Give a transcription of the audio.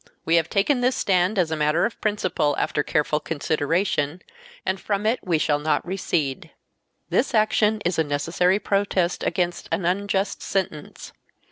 We have taken this stand as a matter of principle after careful consideration, and from it we shall not recede. This action is a necessary protest against an unjust sentence.